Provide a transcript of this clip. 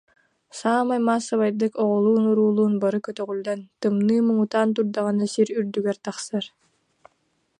Саамай маассабайдык, оҕолуун-уруулуун бары көтөҕүллэн, тымныы муҥутаан турдаҕына сир үрдүгэр тахсар